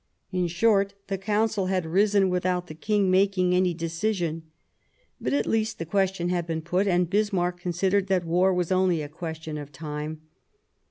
In short, the Council had risen without the King making any decision. But, at least, the question had been put, and Bismarck considered that war was " only a question of time."